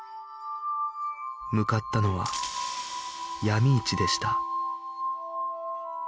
向かったのは闇市でした